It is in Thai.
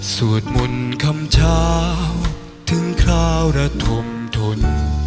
สวดหมุนคำเจ้าถึงคราวระทมทน